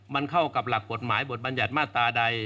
มันเข้ากับหลักกฎหมายบทบัญญัติมาตราใด